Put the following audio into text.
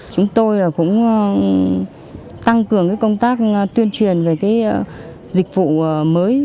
chúng tôi cũng tăng cường công tác tuyên truyền về cái dịch vụ mới